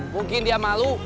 mungkin dia malu